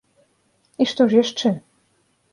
І што ж яшчэ?